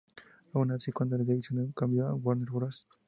Aun así, cuando la dirección cambió a Warner Bros.